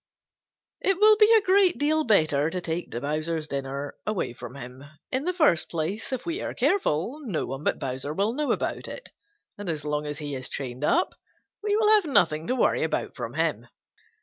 It will be a great deal better to take Bowser's dinner away from him. In the first place, if we are careful, no one but Bowser will know about it, and as long as he is chained up, we will have nothing to worry about from him.